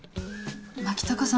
牧高さん